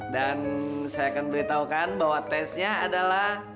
dan saya akan beritahukan bahwa tesnya adalah